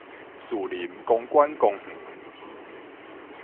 士林公館公園